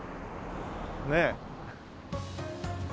ねえ。